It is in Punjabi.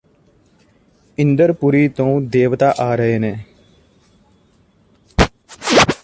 ਇੰਦਰ ਪੁਰੀ ਤੋਂ ਦੇਵਤਾ ਆ ਰਹੇ ਨੇ